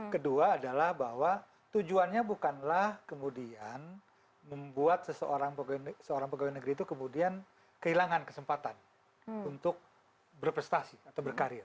kedua adalah bahwa tujuannya bukanlah kemudian membuat seseorang seorang pegawai negeri itu kemudian kehilangan kesempatan untuk berprestasi atau berkarir